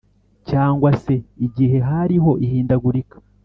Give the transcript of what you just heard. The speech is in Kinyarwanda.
cyangwa se igihe hariho ihindagurika